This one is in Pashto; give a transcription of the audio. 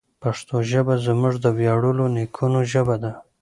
پښتو ژبه زموږ د ویاړلو نیکونو ژبه ده.